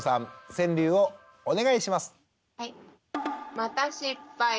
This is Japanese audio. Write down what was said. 川柳をお願いします。